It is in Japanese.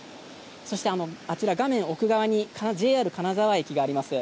そして、画面奥側にＪＲ金沢駅があります。